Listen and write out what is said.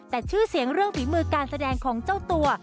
แต่ชื่อเสียงเรื่องฝีมือการแสดงของเจ้าตัว